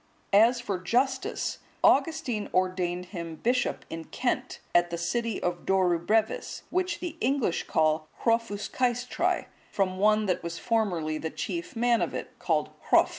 As for Justus, Augustine ordained him bishop in Kent, at the city of Dorubrevis, which the English call Hrofaescaestrae,(176) from one that was formerly the chief man of it, called Hrof.